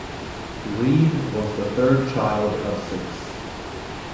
Reeve was the third child of six.